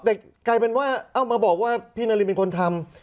แต่กลายเป็นว่าเอามาบอกว่าพี่นารินเป็นคนทำ